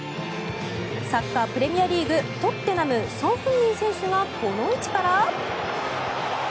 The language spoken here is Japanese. サッカー、プレミアリーグトッテナムソン・フンミン選手がこの位置から。